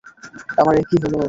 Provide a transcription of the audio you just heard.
আমার এ কী হল!